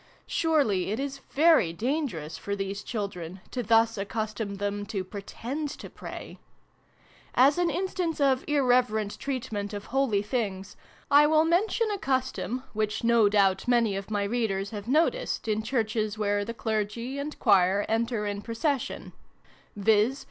Surely it is very dangerous, for these children, to thus ac custom them to pretend to pray ? As an instance of irreverent treatment of holy things, I will mention a custom, which no doubt many of my readers have noticed in Churches where the Clergy and Choir enter in procession, viz.